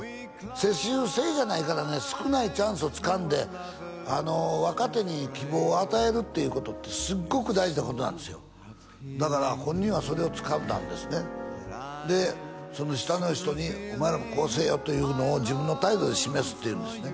世襲制じゃないからね少ないチャンスをつかんで若手に希望を与えるっていうことってすっごく大事なことなんですよだから本人はそれをつかんだんですねでその下の人にお前らもこうせえよというのを自分の態度で示すっていうんですね